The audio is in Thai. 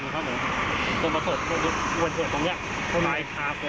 คนขับรถกระบาดสีดำครับผม